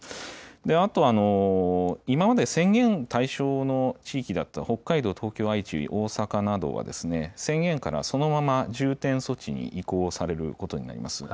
あと、今まで宣言対象の地域だった北海道、東京、愛知、大阪などは、宣言からそのまま重点措置に移行されることになります。